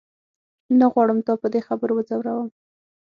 نه غواړم تا په دې خبرو وځوروم.